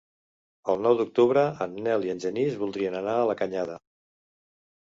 El nou d'octubre en Nel i en Genís voldrien anar a la Canyada.